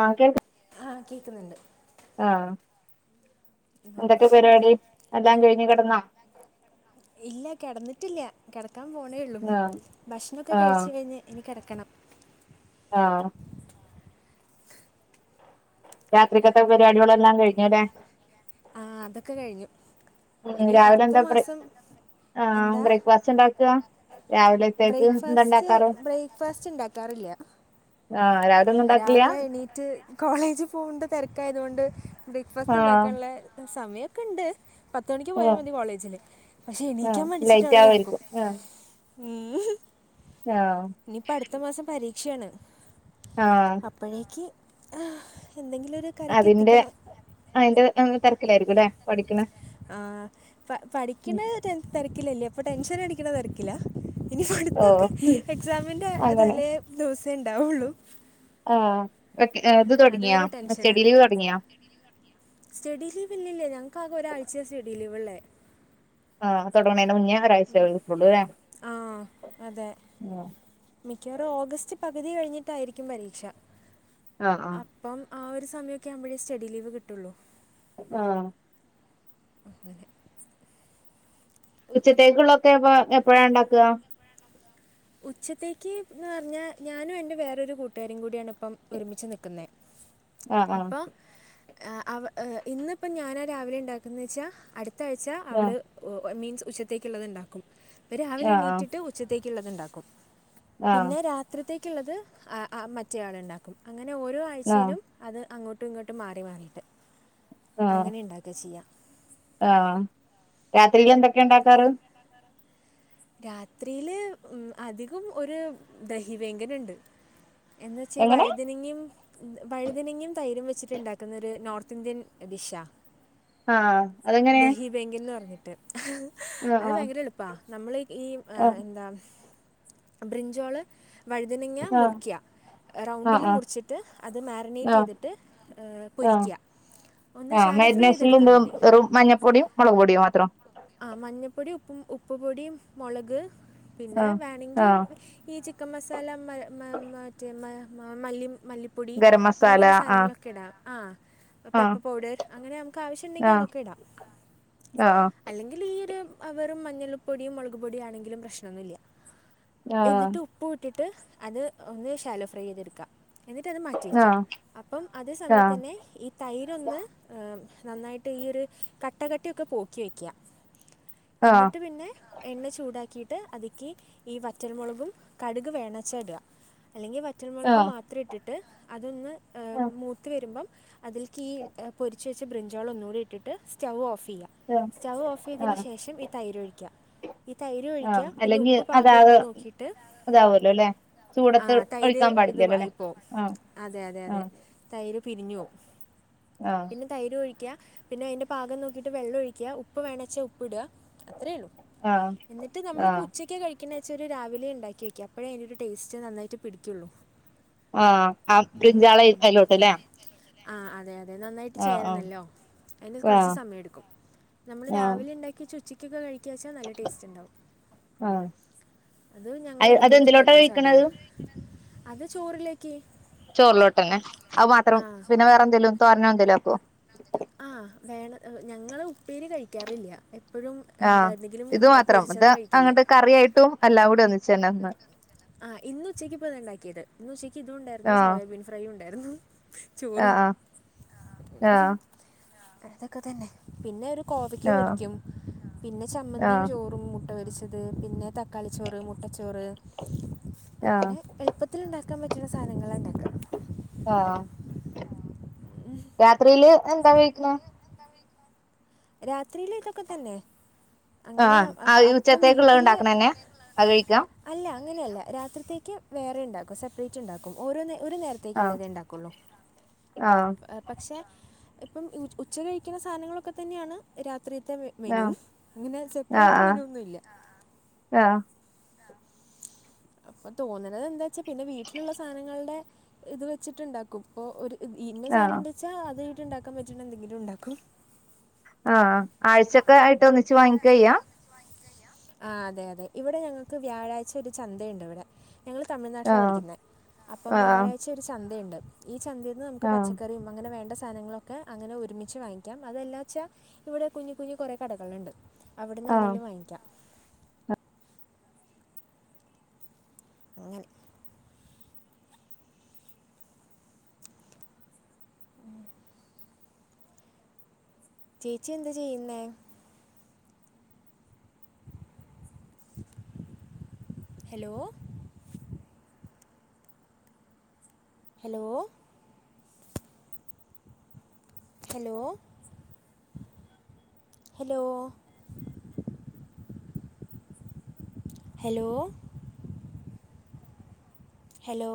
ആഹ് കേൾക്കുന്നുണ്ടോ ആഹ് കേൾക്കുന്നുണ്ട് ആഹ് ആ. എന്തൊക്കെ പരിപാടി എല്ലാം കഴിഞ്ഞ് കിടന്നാ ഇല്ല കിടന്നിട്ടില്ല കിടക്കാൻ പോണേയുള്ളൂ ആഹ് ഭക്ഷണമൊക്കെ ആഹ് കഴിച്ചു കഴിഞ്ഞ് ഇനി കിടക്കണം ആഹ് രാത്രിക്കത്തെ പരിപാടികളെല്ലാം കഴിഞ്ഞല്ലേ ആഹ് അതൊക്കെ കഴിഞ്ഞു ഉം ഇനി രാവിലെ അടുത്ത എന്താ ബ്രേ മാസം ആഹ് എന്താ ബ്രേക്ക്ഫാസ്റ്റ് ഉണ്ടാക്കുക രാവിലെത്തേക്ക് എന്താ ബ്രേക്ക്ഫാസ്റ്റ് ഉണ്ടാക്കാറ് ബ്രേക്ക്ഫാസ്റ്റ് ഉണ്ടാക്കാറില്ല ആഹ് രാവിലെ ഒന്നും ഉണ്ടാക്കില്ല രാവിലെ എണീറ്റ് കോളേജിൽ പോവണ്ട തിരക്കായത് കൊണ്ട് ബ്രേക്ക്ഫാസ്റ്റ് ആഹ് ഉണ്ടാക്കാനുള്ള സമയൊക്കെ ഉണ്ട് പത്ത് മണിക്ക് പോയാൽ ആഹ് മതി കോളേജില് പക്ഷെ ആഹ് എണീക്കാൻ മടിച്ചിട്ട് ലൈറ്റ് അവിടെ കിടക്കും ആവുമായിരിക്കും ആഹ് ഉം ആഹ് ഇനിയിപ്പോ അടുത്ത മാസം പരീക്ഷയാണ് ആഹ് അപ്പോഴേക്ക് ഹ് എന്തെങ്കിലും ഒരു കരയ്ക്ക് അതിന്റെ എത്തിക്കണം അതിന്റെ തിരക്കിലായിരിക്കും അല്ലെ പഠിക്കണെ ആഹ് പഠിക്കണ തിരക്കിലല്ലേ അപ്പൊ ടെൻഷൻ അടിക്കണ തിര ക്കിലാ ഇനി പഠിത്തം ഓഹ് ഒക്കെ എക്സാമിൻ്റെ അങ്ങനെ തലേ ദിവസേ ഉണ്ടാവുള്ളൂ ആഹ് വെക്കെ ഇത് തുടങ്ങിയാ അതൊരു ടെൻഷനാണ് സ്റ്റഡി ലീവ് തുടങ്ങിയാ സ്റ്റഡി ലീവ് ഇല്ലില്ല ഞങ്ങൾക്കാകെ ഒരാഴ്ച സ്റ്റഡി ലീവ് ഉള്ളെ ആഹ് തുടങ്ങണേന് മുന്നെയാ ആഹ് അതെ ആഹ് മിക്കവാറും ഓഗസ്റ്റ് പകുതി കഴിഞ്ഞിട്ടായിരിക്കും പരീക്ഷ ആഹ് ആഹ് അപ്പം ആഹ് ഒരു സമയമൊക്കെ ആവുമ്പഴേ സ്റ്റഡി ലീവ് കിട്ടുകയുള്ളൂ ആഹ് [inaudible] ഉച്ചത്തേക്കുള്ളതൊക്കെ അപ്പോ എപ്പഴാ ഉണ്ടാക്കുക ഉച്ചത്തേക്ക് എന്ന് പറഞ്ഞാൽ ഞാനും എൻ്റെ വേറൊരു കൂട്ടുകാരും കൂടിയാണ് ഒരുമിച്ച് നിക്കുന്നെ ആഹ് [inaudible] ആഹ് അപ്പോൾ ഇന്നിപ്പൊ ഞാനാണ് രാവിലെ ഉണ്ടാക്കുന്നെ വെച്ചാൽ അടു ത്തയാഴ്‌ച ആഹ് അവള് മീൻസ് ഉച്ചത്തേക്കുള്ളതൊക്കെ ഉണ്ടാക്കും രാവിലെ ആഹ് എണീറ്റിട്ട് ഉച്ചത്തേക്കുള്ളതുണ്ടാക്കും പിന്നെ രാത്രിത്തേക്കുള്ളത് മറ്റേ ആൾ ഉണ്ടാക്കും അങ്ങനെ ഓരോ ആഴ് ആഹ് ആഹ് ആഴ്ചയിലും അത് അങ്ങോട്ടും ഇങ്ങോട്ടും മാറി മാറിട്ട് ആഹ് അങ്ങനെ ഇണ്ടാക്കാ ചെയ്യാ ആഹ് രാത്രിയില് എന്തൊക്കെ ഉണ്ടാക്കാറ് രാത്രിയില് ഉം അധികം ഒരു ദഹിവേങ്കന ഉണ്ട് എന്ന് വെച്ചാ ഈ എങ്ങനെ വഴുതനങ്ങയും വഴുതനങ്ങും തൈരും വെച്ചിട്ടുണ്ടാക്കുന്നൊ ഒരു നോർത്ത് ഇന്ത്യൻ ഡിഷാ ആഹ് അതെങ്ങനെയാ ദഹി ബെങ്കിൽന്ന് പറഞ്ഞിട്ട് ആഹ് അത് ഭയങ്കര എളുപ്പാ നമ്മള് ഈ ആ ആഹ് എന്താ ബ്രിഞ്ചോള് വഴുതനങ്ങ ആഹ് മുർക്കിയ ആഹ് റൗണ്ടില് ആഹ് മുറിച്ചിട്ട് അത് മാരിനേറ്റ് ആഹ് ചെയ്തിട്ട് ആഹ് ആഹ് പൊരിക്കാ ഒന്ന് ശാലു ഫ്രൈ ചെയ്തെടുത്താൽ മതി മഞ്ഞൾപൊടിയും മുളക് പൊടിയും മാത്രം ആ മഞ്ഞപ്പൊടി ഉപ്പ് ഉപ്പ്പൊടി, മുളക് പിന്നെ ആഹ് വേണെങ്കിൽ ആഹ് ഈ ചിക്കൻ മസാല മ മാ മറ്റേ മല്ലി മല്ലി പൊടി ഗരം മസാല അങ്ങനെയുള്ള ആഹ് സാധനങ്ങളൊക്കെ ഇടാം ആഹ് ആഹ് പെപ്പെർ പൗഡർ അങ്ങനെ നമുക്ക് ആവശ്യണ്ടെങ്കിൽ അതൊക്കെ ഇടാം അ ആ അല്ലെങ്കിൽ ഈ ഒരു വെറും മഞ്ഞൾപ്പൊടിയും, മുളക് പൊടിയും ആണെങ്കിലും പ്രശ്ണ്ടിന്നും ഇല്ല ആഹ് എന്നിട്ട് ഉപ്പ് ഇട്ടിട്ട് അത് ഒന്ന് ശാലോ ഫ്രൈ ചെയ്തെടുക്കാം എന്നിട്ട അത് മാറ്റിവെക്കുക ആഹ് അപ്പം അതേ സമയ ആഹ് തന്നെ ഈ തൈരൊന്ന് നന്നായിട്ട് ഈ ഒരു കട്ടകട്ടിയൊക്കെ പോക്കി വയ്ക്കുക ആഹ് എന്നിട്ട് പിന്നെ എണ്ണ ചൂടാക്കിയിട്ട് അതിക്ക് ഈ വറ്റൽമുളകും, കടുക് വേണേച്ചാ ഇടുക അല്ലെങ്കിൽ വറ്റൽമുളക് ആഹ് മാത്രം ഇട്ടിട്ട് അതൊന്ന് മൂത്ത് വരുമ്പം അതിൽ ഈ പൊരിച്ച് വെച്ച ബ്രിഞ്ചോള ഒന്നുകൂടി ഇട്ടിട്ട് സ്റ്റവ് ഓഫ് ചെയ്യാം ആഹ് സ്റ്റവ് ഓഫ് ചെയ്തിന് ആഹ് ശേഷം ഈ തൈരൊഴിക്കുക ഈ തൈര് ആഹ് ഒഴിക്കുക പിന്നെ അല്ലെങ്കിൽ ഉപ്പ് പാകം ഉണ്ടോ അതാകെ നോക്കിയിട്ട് ഇതാവല്ലോ അല്ലെ ആ ചൂടത്ത് തൈര് ഒഴിക്കാൻ ഇത് പാടില്ലല്ലോ അല്ലെ ആയിപ്പോ ആഹ് അതെ അതെ അതെ ആഹ് തൈര് പിരിഞ്ഞു പോവും ആഹ് പിന്നെ തൈര് ഒഴിക്കുക പിന്നെ അതിന്റെ പാകം നോക്കിട്ട് വെള്ളം ഒഴിക്കുക ഉപ്പ് വേണെച്ചേ ഉപ്പ് ഇടുക അത്രേ ഉള്ളു ആഹ് എന്നിട്ട് നമ്മളി ഇപ്പം ആഹ് ഉച്ചയ്ക്ക കഴിക്ക ക്കണേച്ചാ ഒരു രാവിലെ ഉണ്ടാക്കി വയ്ക്കാ അപ്പോഴേ അതിനൊ ഒരു ടേസ്റ്റ് നന്നായിട്ട് പിടിക്കുള്ളൂ ആഹ് ആ ബ്രിൻജാൾ അയിൽ അയിലോട്ട് ല്ലേ ആഹ് അതെ അതെ നന്നായിട്ട് ആഹ് ചേരണല്ലോ അതിന് കൊറച്ച് ആഹ് സമയം എടുക്കും നമ്മൾ ആഹ് രാവിലെ ഉണ്ടാക്കി വെച്ച ഉച്ച ക്കൊക്കെ കഴിക്കാച്ചാൽ നല്ല ടേസ്റ്റ് ഉണ്ടാവും ആഹ് അത് അ ഞങ്ങള് എടക്കിടക്ക് അതെന്തിലോട്ടാ ഉണ്ടാക്കണ സാധന കഴിക്കണത് അത് ചോറിലേക്ക് ചോറിലോട്ട് അല്ലെ അത് മാത്രം ആ പിന്നെ വേറെന്തേലും തോരനോ എന്തേലും ആക്കോ ആഹ് വേണ ഞങ്ങള് ഉപ്പേരി കഴിക്കാറില്ല എപ്പോഴും ആഹ് എന്താ എന്തെങ്കിലും ഇത് മാത്രം ഇത് പൊരിച്ചതാണ് കഴിക്കൽ അങ്ങട്ട് കറിയായിട്ടും എല്ലാം കൂടി ഒന്നിച്ചന്നെ ഒന്ന് ആഹ് ഇന്ന് ഉച്ചയ്ക്ക് ഇപ്പ ഇത് ഇണ്ടാക്കിയത് ഇന്ന് ഉച്ചയ്ക്ക് ഇതും ഉണ്ടായിരുന്നു ആഹ് സോയാബീൻ ഫ്രൈയും ഉണ്ടായിരുന്നു ചോറും ആഹ് ആഹ് അതൊക്കെ തന്നെ പിന്നെ ഒരു കോവക്ക ആഹ് പൊരിക്കും പിന്നെ ചമ്മന്തിയും, ആഹ് ചോറും, മുട്ട പൊരിച്ച അത് പിന്നെ തക്കാളി ചോറ് മുട്ട ചോറ് ആഹ് അങ്ങനെ എളുപ്പത്തിൽ ത്തില്ണ്ടാക്കാൻ പറ്റുന്ന സാധനങ്ങളാ ഇണ്ടാക്കാ ആഹ് രാത്രിയില് എന്താ കഴിക്ക്ണ രാത്രിയില് ഇതൊക്കെ തന്നെ അങ്ങനെ ആഹ് അ ആ അപ്പ ഉച്ചത്തേക്കുള്ളത് വീട്ടില് ഉണ്ടാക്കണന്നെ അത് കഴിക്കാം അല്ല അങ്ങനെയല്ല രാത്രിത്തേക്ക് വേറെ ഉണ്ടാക്കും സെപ്പറേറ്റ് ഉണ്ടാക്കും ഓരോ ഒരു നേര ത്തേക്ക് ആഹ് ള്ളതെ ണ്ടാക്കുള്ളൂ ആഹ് പക്ഷേ ഇപ്പം ഉച്ച കഴിക്കന്ന സാധനങ്ങളൊക്കെ തന്നെയാണ് രാത്രിത്തെ വേ മെനു ആഹ് ഇങ്ങനെ സെപ്പറേറ്റ് ആഹ് മെനു ഒന്നും ഇല്ല ആഹ് അപ്പൊ തോന്നണത് എന്താച്ചാ പിന്നെ വീട്ടിലുള്ള സാധനങ്ങളുടെ ഇത് വെച്ചിട്ടുണ്ടാക്കും ഇപ്പൊ ഒരു വീട്ടില് സാധനം ആഹ് ണ്ട്ച്ചാ അത് ആയിട്ടുണ്ടാക്കാൻ പറ്റണ എന്തെങ്കിലും ഉണ്ടാക്കും ആഹ് ആഴ്ചക്ക ആയിട്ട് ഒന്നിച്ച് വാങ്ങിക്കയ്യാ ആഹ് അതെ അതെ ഇവിടെ ഞങ്ങൾക്ക് വ്യാഴാഴ്ച ഒരു ചന്തയുണ്ട് ഇവിടെ ഞങ്ങൾ തമിഴ്നാട്ടിലാ ആഹ് പഠിക്കുന്നേ അപ്പം ആഹ് വ്യാഴായ്ച ഒരു ചന്തേണ്ട് ഈ ചന്തേന്ന് നമുക്ക് ആഹ് പച്ചക്കറി അങ്ങനെ വേണ്ട സാധനങ്ങളൊക്കെ അങ്ങനെ ഒരുമിച്ച് വാങ്ങിക്കാം അതല്ലാച്ചാൽ ഇവിടെ കുഞ്ഞ് കുഞ്ഞ് കുറേ കടകളുണ്ട് ആഹ് അവിടുന്നാണെലും വാങ്ങിക്കാം അങ്ങനെ മ്മ് മ്മ് ചേച്ചി എന്താ ചെയ്യന്നെ? Hello! Hello! Hello! Hello! Hello! Hello!